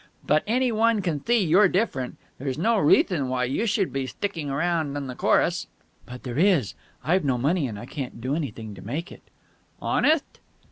But any one can thee you're different. There's no reathon why you should be sticking around in the chorus." "But there is. I've no money, and I can't do anything to make it." "Honetht?"